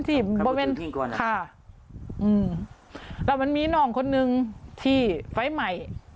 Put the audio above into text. ที่บริเวณค่ะอืมแล้วมันมีน้องคนนึงที่ไฟล์ใหม่